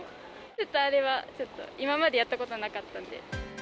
ちょっとあれは、ちょっと、今までやったことなかったんで。